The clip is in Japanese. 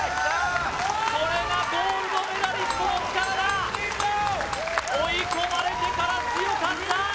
これがゴールドメダリストの力だ追い込まれてから強かった！